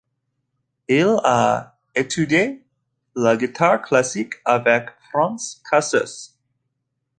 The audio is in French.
Il a étudié la guitare classique avec Frantz Casseus.